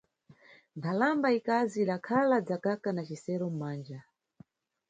Nkhalamba ikazi idakhala dzakaka na cisero mʼmanja.